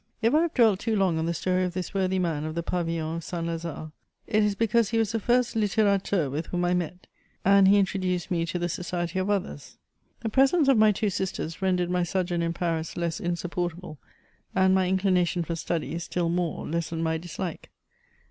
If I have dwelt too long on the story of this worthy man of the Pavilions of St. Lazare, it is because he was the first litterateur with whom I met, and he introduced me to the society of others. The presence of my two sisters rendered my sojourn in Paris less insupportable ; and my inclination for study still more lessened my dislike.